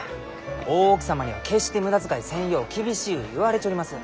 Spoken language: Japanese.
大奥様には決して無駄使いせんよう厳しゅう言われちょります。